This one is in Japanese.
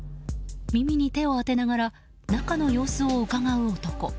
耳に手を当てながら中の様子をうかがう男。